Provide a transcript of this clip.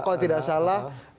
kalau tidak salah